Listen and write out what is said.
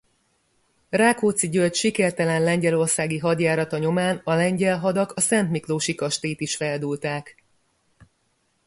Rákóczi György sikertelen lengyelországi hadjárata nyomán a lengyel hadak a szentmiklósi kastélyt is feldúlták.